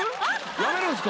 やめるんですか？